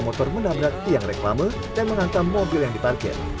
motor menabrak tiang reklama dan menghantam mobil yang diparkir